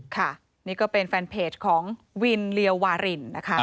ค่ะนี่ก็เป็นแฟนเพจของวินเรียววารินนะคะ